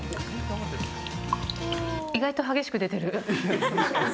意外と激しく出てる。